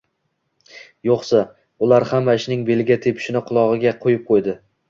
Yo`qsa, ular hamma ishning beliga tepishini qulog`iga quyib qo`ydi